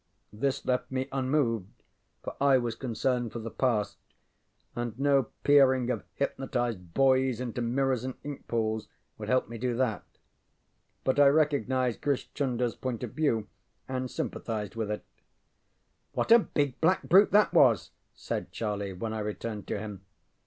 This left me unmoved, for I was concerned for the past, and no peering of hypnotized boys into mirrors and ink pools would help me do that. But I recognized Grish ChunderŌĆÖs point of view and sympathized with it. ŌĆ£What a big black brute that was! ŌĆØ said Charlie, when I returned to him.